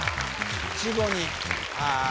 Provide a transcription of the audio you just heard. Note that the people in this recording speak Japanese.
いちごにああ